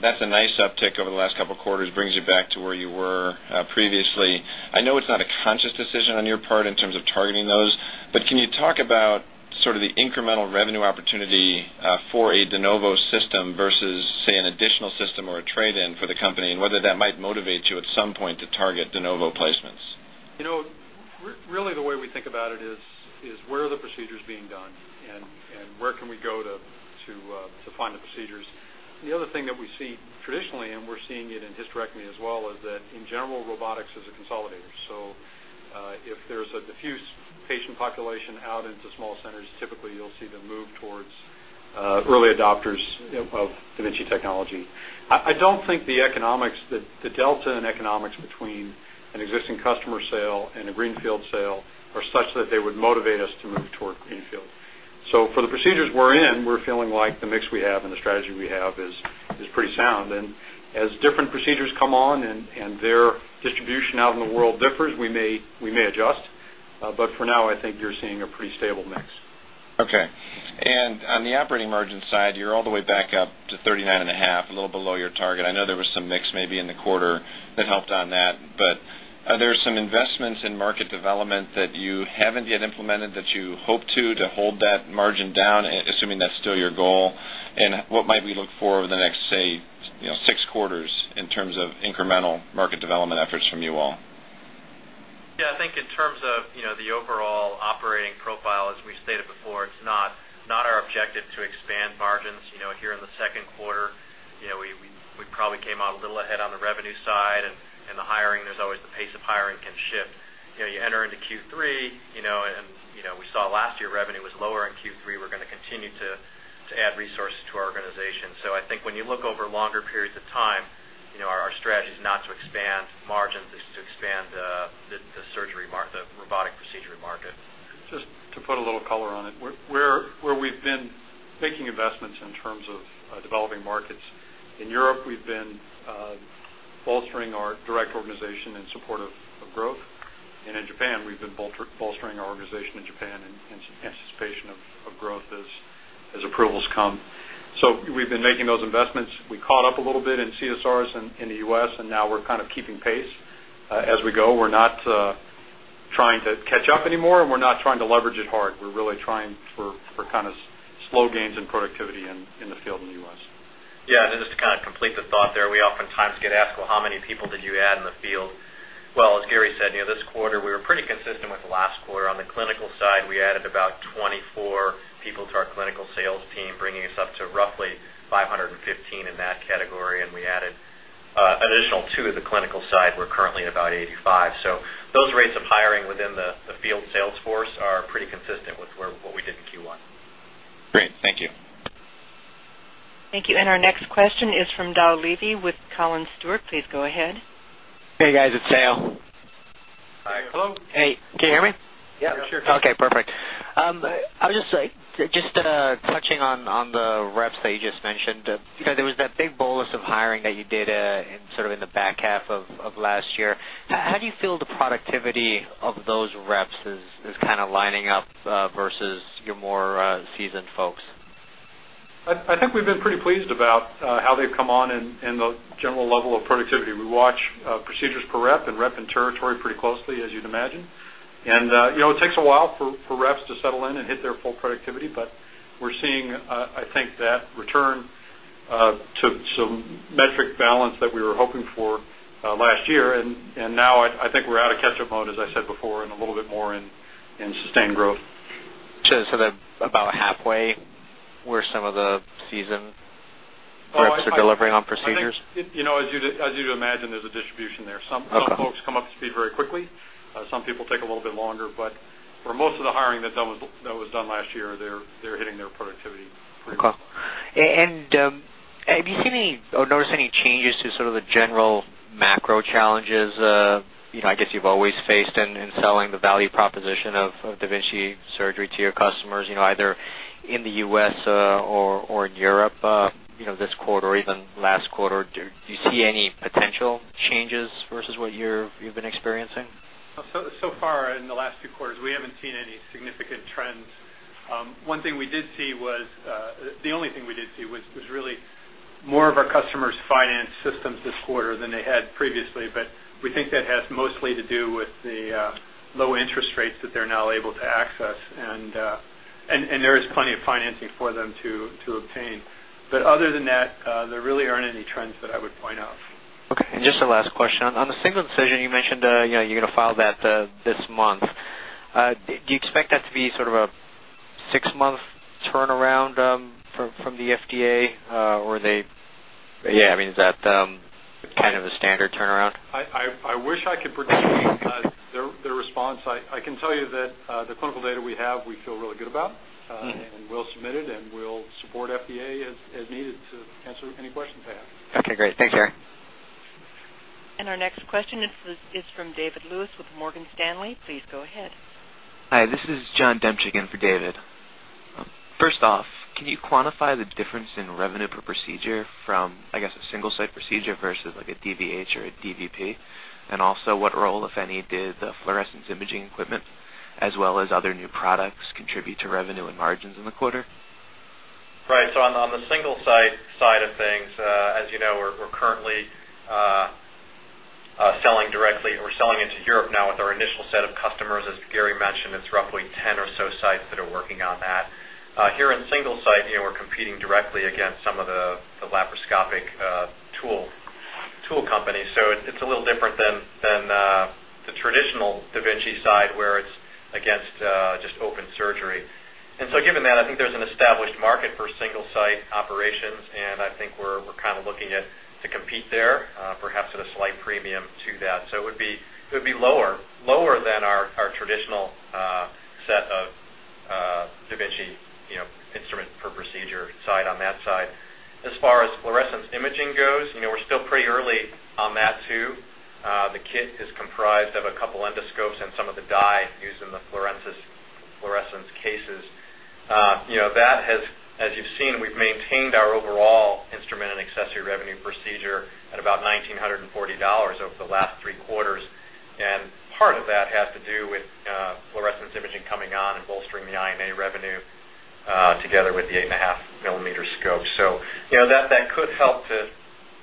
[SPEAKER 3] That's a nice uptick over the last couple of quarters, brings you back to where you were previously. I know it's not a conscious decision on your part in terms of targeting those, but can you talk about sort of the incremental revenue opportunity for a de novo system versus, say, an additional system or a trade-in for the company, and whether that might motivate you at some point to target de novo placements? You know, really the way we think about it is where are the procedures being done and where can we go to find the procedures. The other thing that we see traditionally, and we're seeing it in hysterectomy as well, is that in general, robotics is a consolidator. If there's a diffuse patient population out into small centers, typically you'll see the move towards early adopters of Da Vinci technology. I don't think the economics, the delta in economics between an existing customer sale and a greenfield sale are such that they would motivate us to move toward greenfield. For the procedures we're in, we're feeling like the mix we have and the strategy we have is pretty sound. As different procedures come on and their distribution out in the world differs, we may adjust. For now, I think you're seeing a pretty stable mix. Okay. On the operating margin side, you're all the way back up to 39.5%, a little below your target. I know there was some mix maybe in the quarter that helped on that, but are there some investments in market development that you haven't yet implemented that you hope to hold that margin down, assuming that's still your goal? What might we look for over the next, say, six quarters in terms of incremental market development efforts from you all?
[SPEAKER 4] Yeah, I think in terms of the overall operating profile, as we stated before, it's not our objective to expand margins. Here in the second quarter, we probably came out a little ahead on the revenue side, and the hiring, there's always the pace of hiring can shift. You enter into Q3, and we saw last year revenue was lower in Q3. We're going to continue to add resources to our organization. I think when you look over longer periods of time, our strategy is not to expand margins, it's to expand the surgery, the robotic procedure market.
[SPEAKER 3] Just to put a little color on it, where we've been making investments in terms of developing markets. In Europe, we've been bolstering our direct organization in support of growth. In Japan, we've been bolstering our organization in Japan in anticipation of growth as approvals come. We've been making those investments. We caught up a little bit in CSRs in the U.S., and now we're kind of keeping pace as we go. We're not trying to catch up anymore, and we're not trying to leverage it hard. We're really trying for kind of slow gains in productivity in the field in the U.S.
[SPEAKER 4] Yeah, just to kind of complete the thought there, we oftentimes get asked, how many people did you add in the field? As Gary said, this quarter we were pretty consistent with the last quarter. On the clinical side, we added about 24 people to our clinical sales team, bringing us up to roughly 515 in that category. We added an additional 2 to the clinical side. We're currently at about 85. Those rates of hiring within the field sales force are pretty consistent with what we did in Q1. Great. Thank you.
[SPEAKER 1] Thank you. Our next question is from Dan Levy with Collins Stewart. Please go ahead.
[SPEAKER 7] Hey, guys, it's Dan.
[SPEAKER 3] Hi. Hello?
[SPEAKER 7] Hey, can you hear me?
[SPEAKER 3] Yeah, I'm here.
[SPEAKER 7] Okay, perfect. I was just saying, just touching on the reps that you just mentioned, there was that big bolus of hiring that you did in the back half of last year. How do you feel the productivity of those reps is kind of lining up versus your more seasoned folks?
[SPEAKER 3] I think we've been pretty pleased about how they've come on and the general level of productivity. We watch procedures per rep and rep and territory pretty closely, as you'd imagine. It takes a while for reps to settle in and hit their full productivity, but we're seeing, I think, that return to some metric balance that we were hoping for last year. I think we're out of catch-up mode, as I said before, and a little bit more in sustained growth.
[SPEAKER 7] About halfway where some of the seasoned reps are delivering on procedures?
[SPEAKER 3] As you'd imagine, there's a distribution there. Some folks come up to speed very quickly. Some people take a little bit longer. For most of the hiring that was done last year, they're hitting their productivity pretty well.
[SPEAKER 7] Have you seen any or noticed any changes to sort of the general macro challenges? I guess you've always faced in selling the value proposition of da Vinci surgery to your customers, either in the U.S. or in Europe, this quarter or even last quarter. Do you see any potential changes versus what you've been experiencing?
[SPEAKER 3] In the last two quarters, we haven't seen any significant trends. The only thing we did see was really more of our customers' finance systems this quarter than they had previously. We think that has mostly to do with the low interest rates that they're now able to access. There is plenty of financing for them to obtain. Other than that, there really aren't any trends that I would point out.
[SPEAKER 7] Okay. Just a last question. On the single incision, you mentioned you're going to file that this month. Do you expect that to be sort of a six-month turnaround from the FDA? Is that kind of a standard turnaround?
[SPEAKER 3] I wish I could predict the response. I can tell you that the clinical data we have, we feel really good about, and we'll submit it, and we'll support FDA as needed to answer any questions they have.
[SPEAKER 7] Okay, great. Thanks, Gary.
[SPEAKER 1] Our next question is from David Lewis with Morgan Stanley. Please go ahead.
[SPEAKER 8] Hi, this is John Dempsey again for David. First off, can you quantify the difference in revenue per procedure from, I guess, a single-site procedure versus like a DVH or a DVP? Also, what role, if any, did the fluorescence imaging equipment, as well as other new products, contribute to revenue and margins in the quarter?
[SPEAKER 4] Right. On the single-site side of things, as you know, we're currently selling directly. We're selling into Europe now with our initial set of customers. As Gary mentioned, it's roughly 10 or so sites that are working on that. Here in single-site, we're competing directly against some of the laparoscopic tool companies. It's a little different than the traditional da Vinci side where it's against just open surgery. Given that, I think there's an established market for single-site operations, and I think we're kind of looking to compete there, perhaps at a slight premium to that. It would be lower than our traditional set of da Vinci instrument per procedure side on that side. As far as fluorescence imaging goes, we're still pretty early on that too. The kit is comprised of a couple endoscopes and some of the dye used in the fluorescence cases. That has, as you've seen, we've maintained our overall instrument and accessory revenue procedure at about $1,940 over the last three quarters. Part of that has to do with fluorescence imaging coming on and bolstering the INA revenue together with the 8.5 mm scope. That then could help to,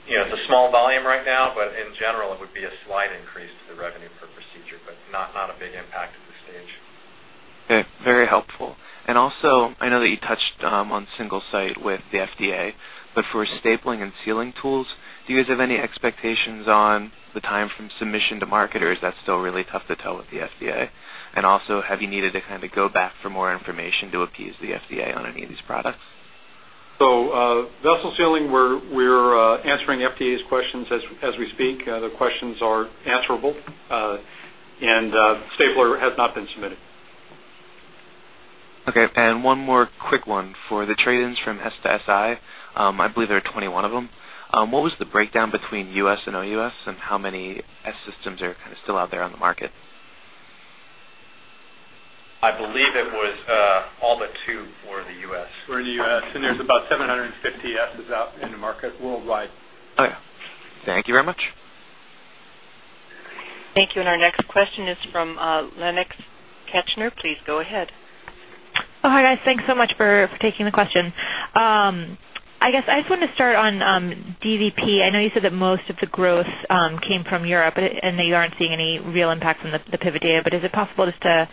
[SPEAKER 4] it's a small volume right now, but in general, it would be a slight increase to the revenue per procedure, but not a big impact at this stage.
[SPEAKER 8] Okay, very helpful. I know that you touched on single-site with the FDA, but for stapling and sealing tools, do you guys have any expectations on the time from submission to market, or is that still really tough to tell with the FDA? Also, have you needed to kind of go back for more information to appease the FDA on any of these products?
[SPEAKER 3] Vessel sealing, we're answering FDA's questions as we speak. The questions are answerable, and stapler has not been submitted.
[SPEAKER 8] Okay. One more quick one for the trade-ins from S to SI, I believe there are 21 of them. What was the breakdown between U.S. and OUS, and how many S systems are still out there on the market?
[SPEAKER 5] I believe it was all but two for the U.S. For the U.S., there's about 750 SPs out in the market worldwide.
[SPEAKER 8] Oh, thank you very much.
[SPEAKER 1] Thank you. Our next question is from Lenken Katcher. Please go ahead. Oh, hi, guys. Thanks so much for taking the question. I guess I just wanted to start on DVP. I know you said that most of the growth came from Europe, and that you aren't seeing any real impacts on the pivot data, but is it possible just to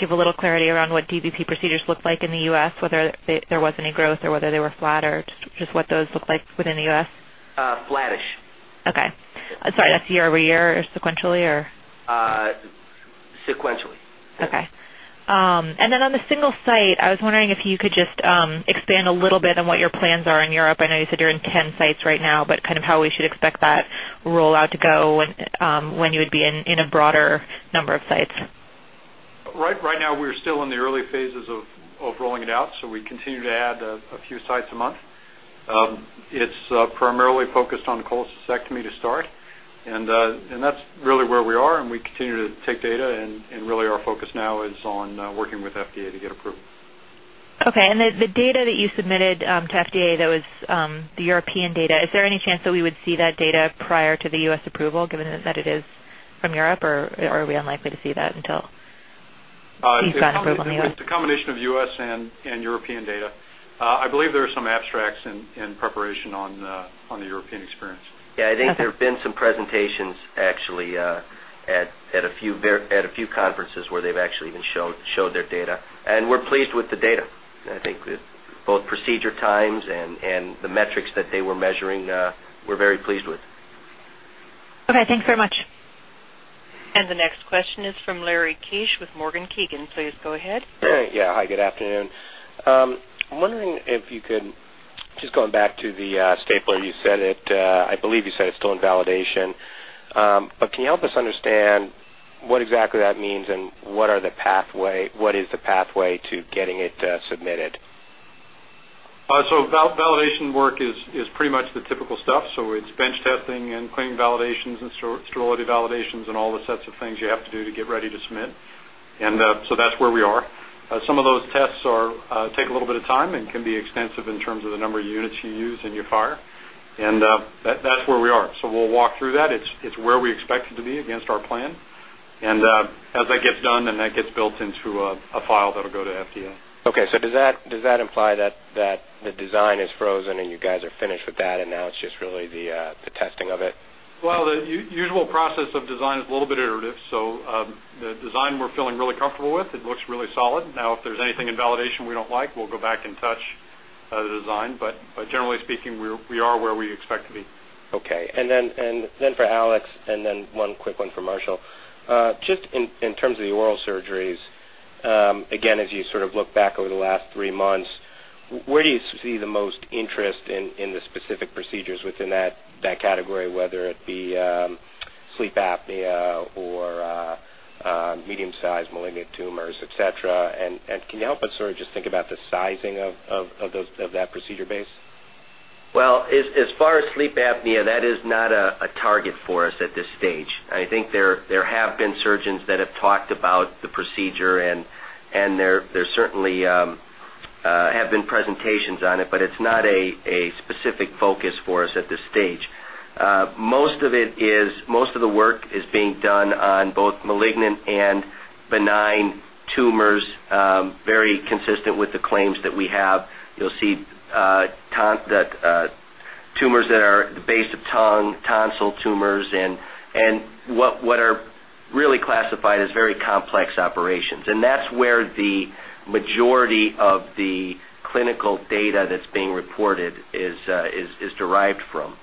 [SPEAKER 1] give a little clarity around what DVP procedures looked like in the U.S., whether there was any growth or whether they were flat, or just what those looked like within the U.S.?
[SPEAKER 4] Flat-ish. Okay. Sorry, that's year-over-year or sequentially? Sequentially. Okay. On the single-site products, I was wondering if you could just expand a little bit on what your plans are in Europe. I know you said you're in 10 sites right now, but how we should expect that rollout to go and when you would be in a broader number of sites.
[SPEAKER 3] Right now, we're still in the early phases of rolling it out, so we continue to add a few sites a month. It's primarily focused on cholecystectomy to start. That's really where we are, and we continue to take data. Our focus now is on working with the FDA to get approval. Okay. The data that you submitted to the FDA, that was the European data. Is there any chance that we would see that data prior to the U.S. approval, given that it is from Europe, or are we unlikely to see that until you've gotten approval in the U.S.? It's a combination of U.S. and European data. I believe there are some abstracts in preparation on the European experience.
[SPEAKER 5] I think there have been some presentations at a few conferences where they've actually even showed their data. We're pleased with the data. I think both procedure times and the metrics that they were measuring, we're very pleased with.
[SPEAKER 9] Okay, thanks very much.
[SPEAKER 1] The next question is from Larry Biegelsen with Morgan Stanley. Please go ahead.
[SPEAKER 10] Hi, good afternoon. I'm wondering if you could, just going back to the stapler, you said it, I believe you said it's still in validation. Can you help us understand what exactly that means and what is the pathway to getting it submitted?
[SPEAKER 3] Validation work is pretty much the typical stuff. It's bench testing, cleaning validations, sterility validations, and all the sets of things you have to do to get ready to submit. That's where we are. Some of those tests take a little bit of time and can be extensive in terms of the number of units you use and you fire. That's where we are. We'll walk through that. It's where we expect it to be against our plan. As that gets done, that gets built into a file that'll go to FDA.
[SPEAKER 10] Okay, does that imply that the design is frozen and you guys are finished with that, and now it's just really the testing of it?
[SPEAKER 3] The usual process of design is a little bit iterative. The design we're feeling really comfortable with looks really solid. If there's anything in validation we don't like, we'll go back and touch the design. Generally speaking, we are where we expect to be.
[SPEAKER 10] Okay. For Aleks, and then one quick one for Marshall. Just in terms of the oral surgeries, as you sort of look back over the last three months, where do you see the most interest in the specific procedures within that category, whether it be sleep apnea or medium-sized malignant tumors, etc.? Can you help us sort of just think about the sizing of that procedure base?
[SPEAKER 5] As far as sleep apnea, that is not a target for us at this stage. I think there have been surgeons that have talked about the procedure, and there certainly have been presentations on it, but it's not a specific focus for us at this stage. Most of the work is being done on both malignant and benign tumors, very consistent with the claims that we have. You'll see tumors that are the base of tongue, tonsil tumors, and what are really classified as very complex operations. That's where the majority of the clinical data that's being reported is derived from.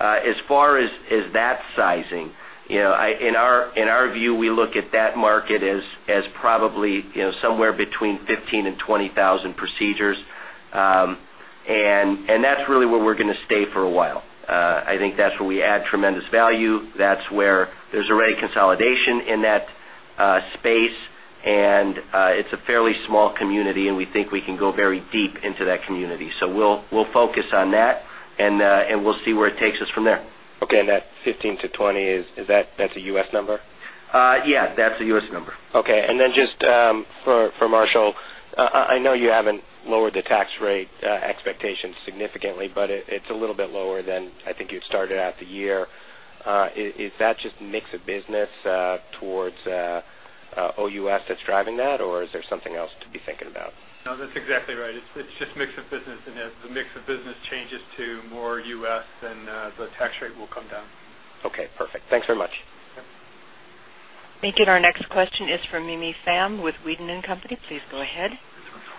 [SPEAKER 5] As far as that sizing, in our view, we look at that market as probably somewhere between 15,000 and 20,000 procedures. That's really where we're going to stay for a while. I think that's where we add tremendous value. That's where there's already consolidation in that space. It's a fairly small community, and we think we can go very deep into that community. We'll focus on that, and we'll see where it takes us from there.
[SPEAKER 10] Okay. That 15-20, is that a U.S. number?
[SPEAKER 5] Yeah, that's a U.S. number.
[SPEAKER 10] Okay. For Marshall, I know you haven't lowered the tax rate expectations significantly, but it's a little bit lower than I think you'd started out the year. Is that just a mix of business towards O.U.S. that's driving that, or is there something else to be thinking about?
[SPEAKER 4] No, that's exactly right. It's just a mix of business, and as the mix of business changes to more U.S., then the tax rate will come down.
[SPEAKER 10] Okay, perfect. Thanks very much.
[SPEAKER 1] Thank you. Our next question is from Mimi Pham with Wheatstone & Company. Please go ahead.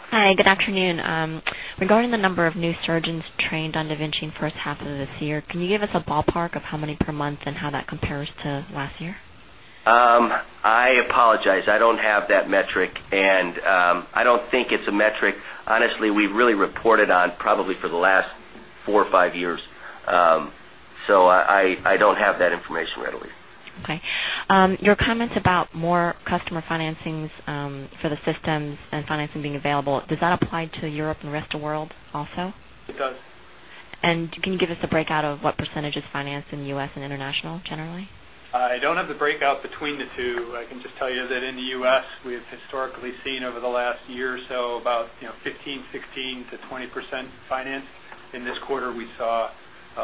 [SPEAKER 11] Hi, good afternoon. Regarding the number of new surgeons trained on da Vinci in the first half of this year, can you give us a ballpark of how many per month and how that compares to last year?
[SPEAKER 5] I apologize. I don't have that metric, and I don't think it's a metric, honestly. We really reported on it probably for the last four or five years, so I don't have that information readily.
[SPEAKER 11] Okay. Your comments about more customer financing for the systems and financing being available, does that apply to Europe and the rest of the world also? Can you give us the breakout of what percentage is financed in the U.S. and international generally?
[SPEAKER 4] I don't have the breakout between the two. I can just tell you that in the U.S., we have historically seen over the last year or so about 15%,16%-20% finance. In this quarter, we saw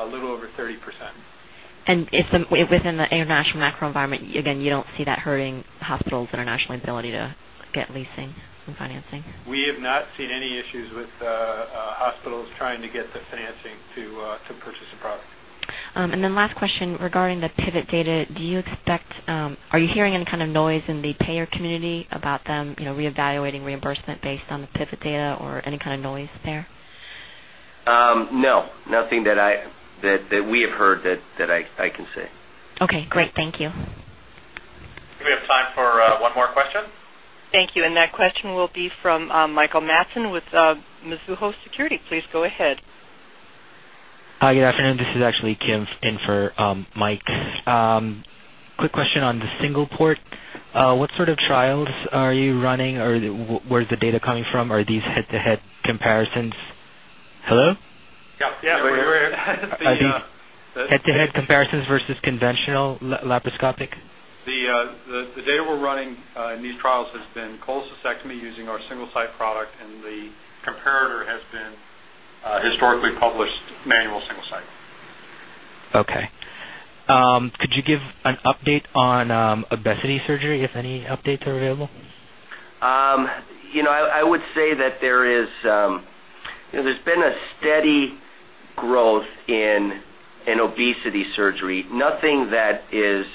[SPEAKER 4] a little over 30%.
[SPEAKER 11] Within the international macro environment, again, you don't see that hurting hospitals' international ability to get leasing and financing?
[SPEAKER 4] We have not seen any issues with hospitals trying to get the financing to purchase a product.
[SPEAKER 11] Last question regarding the pivot data, do you expect, are you hearing any kind of noise in the payer community about them reevaluating reimbursement based on the pivot data or any kind of noise there?
[SPEAKER 5] No, nothing that we have heard that I can say.
[SPEAKER 11] Okay, great. Thank you.
[SPEAKER 2] Do we have time for one more question?
[SPEAKER 1] Thank you. That question will be from Michael Matson with Mizuho Securities. Please go ahead.
[SPEAKER 12] Hi, good afternoon. This is actually Kim in for Mike. Quick question on the single port. What sort of trials are you running or where's the data coming from? Are these head-to-head comparisons? Hello?
[SPEAKER 3] Yeah, we're here.
[SPEAKER 12] Head-to-head comparisons versus conventional laparoscopic?
[SPEAKER 3] The data we're running in these trials has been cholecystectomy using our single-site products, and the comparator has been historically published manual single site.
[SPEAKER 12] Okay. Could you give an update on obesity surgery, if any updates are available?
[SPEAKER 5] I would say that there has been a steady growth in obesity surgery. Nothing that is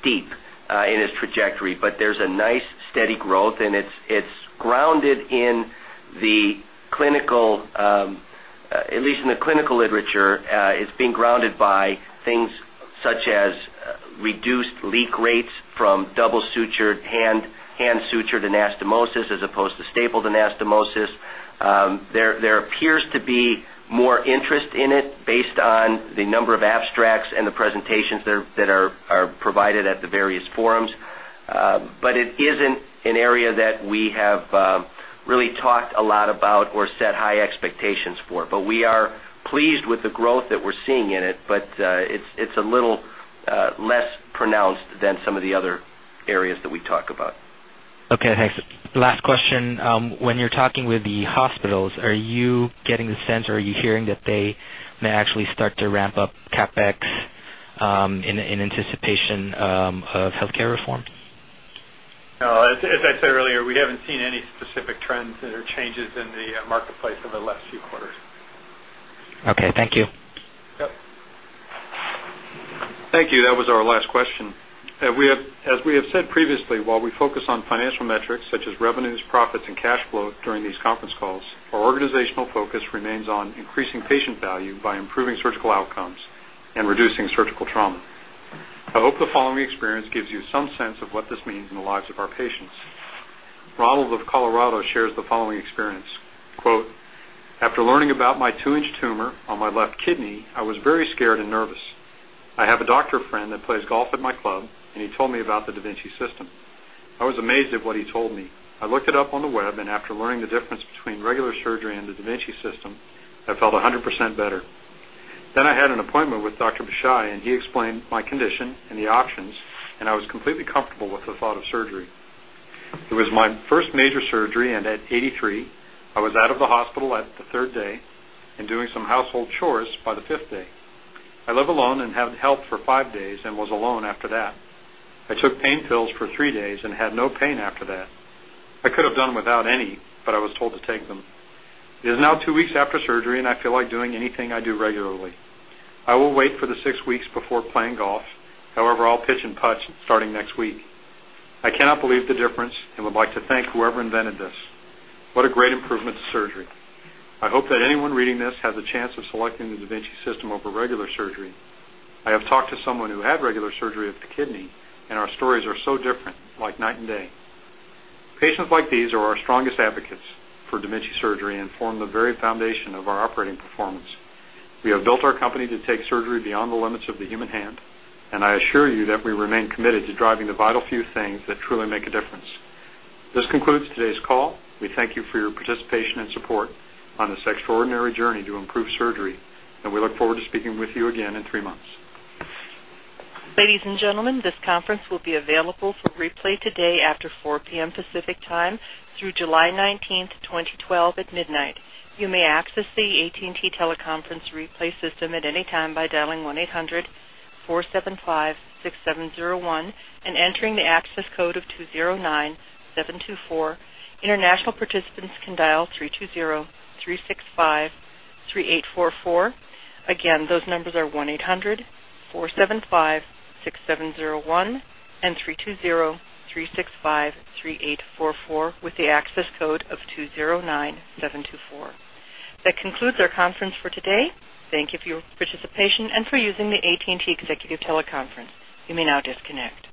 [SPEAKER 5] steep in its trajectory, but there's a nice steady growth, and it's grounded in the clinical, at least in the clinical literature, it's being grounded by things such as reduced leak rates from double-sutured, hand-sutured anastomosis as opposed to stapled anastomosis. There appears to be more interest in it based on the number of abstracts and the presentations that are provided at the various forums. It isn't an area that we have really talked a lot about or set high expectations for. We are pleased with the growth that we're seeing in it, but it's a little less pronounced than some of the other areas that we talk about.
[SPEAKER 12] Okay, thanks. Last question. When you're talking with the hospitals, are you getting the sense or are you hearing that they may actually start to ramp up CapEx in anticipation of healthcare reform?
[SPEAKER 3] As I said earlier, we haven't seen any specific trends or changes in the marketplace over the last few quarters.
[SPEAKER 12] Okay, thank you.
[SPEAKER 5] Thank you. That was our last question. As we have said previously, while we focus on financial metrics such as revenues, profits, and cash flow during these conference calls, our organizational focus remains on increasing patient value by improving surgical outcomes and reducing surgical trauma. I hope the following experience gives you some sense of what this means in the lives of our patients. Ronald of Colorado shares the following experience. Quote, "After learning about my two-inch tumor on my left kidney, I was very scared and nervous. I have a doctor friend that plays golf at my club, and he told me about the da Vinci system. I was amazed at what he told me. I looked it up on the web, and after learning the difference between regular surgery and the da Vinci system, I felt 100% better. I had an appointment with Dr. Beshai, and he explained my condition and the options, and I was completely comfortable with the thought of surgery. It was my first major surgery, and at 83, I was out of the hospital on the third day and doing some household chores by the fifth day. I live alone and had help for five days and was alone after that. I took pain pills for three days and had no pain after that. I could have done without any, but I was told to take them. It is now two weeks after surgery, and I feel like doing anything I do regularly. I will wait for the six weeks before playing golf. However, I'll pitch and putt starting next week. I cannot believe the difference and would like to thank whoever invented this. What a great improvement to surgery.
[SPEAKER 3] I hope that anyone reading this has a chance of selecting the da Vinci system over regular surgery. I have talked to someone who had regular surgery of the kidney, and our stories are so different, like night and day." Patients like these are our strongest advocates for da Vinci surgery and form the very foundation of our operating performance. We have built our company to take surgery beyond the limits of the human hand, and I assure you that we remain committed to driving the vital few things that truly make a difference. This concludes today's call. We thank you for your participation and support on this extraordinary journey to improve surgery, and we look forward to speaking with you again in three months.
[SPEAKER 1] Ladies and gentlemen, this conference will be available for replay today after 4:00 PM. Pacific Time through July 19th, 2012, at midnight. You may access the AT&T teleconference replay system at any time by dialing 1-800-475-6701 and entering the access code of 209724. International participants can dial 320-365-3844. Again, those numbers are 1-800-475-6701 and 320-365-3844 with the access code of 209724. That concludes our conference for today. Thank you for your participation and for using the AT&T executive teleconference. You may now disconnect.